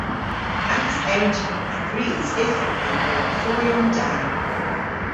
Agas ewnter a grys yth owgh hwi lowarthoryon da.